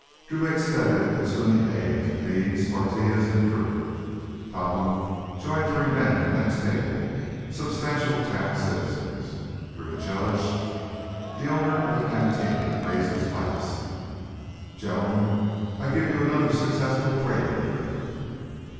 Drew ate steadily, consuming eggs and beans, tortillas, and fruit. Topham joined three men at the next table, substantial town citizens, Drew judged. The owner of the cantina raised his glass. "Gentlemen, I give you another successful trading trip!"